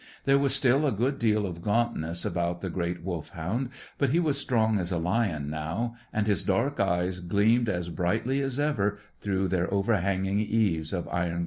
There was still a good deal of gauntness about the great Wolfhound; but he was strong as a lion now, and his dark eyes gleamed as brightly as ever through their overhanging eaves of iron grey hair.